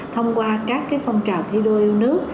thông qua các phong trào thi đôi nước